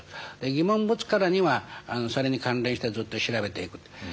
疑問を持つからにはそれに関連してずっと調べていく。